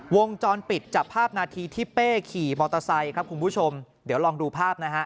วงจรปิดจับภาพนาทีที่เป้ขี่มอเตอร์ไซค์ครับคุณผู้ชมเดี๋ยวลองดูภาพนะฮะ